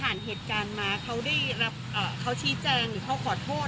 เหตุการณ์มาเขาได้รับเขาชี้แจงหรือเขาขอโทษ